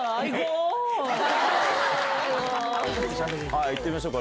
はいいってみましょう。